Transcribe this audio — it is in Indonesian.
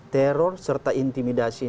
teror serta intimidasi ini